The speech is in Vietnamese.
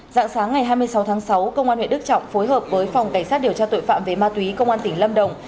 dạng sáng ngày hai mươi sáu tháng sáu công an huyện đức trọng phối hợp với phòng cảnh sát điều tra tội phạm về ma túy công an tỉnh lâm đồng